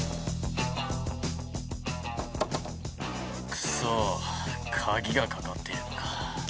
クソかぎがかかっているのか。